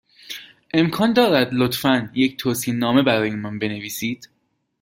امکان دارد، لطفا، یک توصیه نامه برای من بنویسید؟